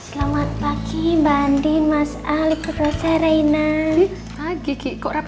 selamat pagi bandi mas ali prof rina